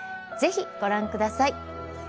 ぜひご覧ください。